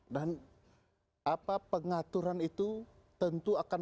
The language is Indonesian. dan apa pengaturan itu tentu akan menghilangkan